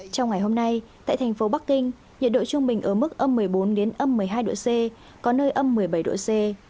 trong ngày hôm nay tại thành phố bắc kinh nhiệt độ trung bình ở mức âm một mươi bốn âm một mươi hai độ c có nơi âm một mươi bảy độ c